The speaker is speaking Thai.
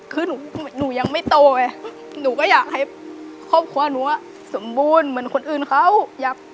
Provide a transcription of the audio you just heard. คือหนูยังไม่โตไงหนูก็อยากให้ครอบครัวหนูสมบูรณ์เหมือนคนอื่นเขาอยาก